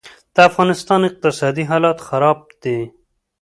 دافغانستان اقتصادي حالات خراب دي